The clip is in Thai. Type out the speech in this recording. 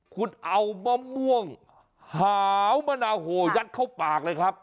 คุณเอามะม่วงหาวมะนาวโหยัดเข้าปากเลยครับ